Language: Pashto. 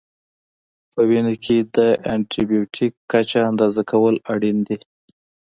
په وینه کې د انټي بیوټیک کچه اندازه کول اړین دي.